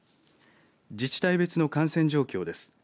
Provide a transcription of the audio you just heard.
自治体別の感染状況です。